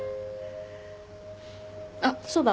あっそうだ。